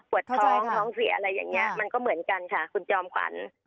ท้องท้องเสียอะไรอย่างนี้มันก็เหมือนกันค่ะคุณจอมขวัญ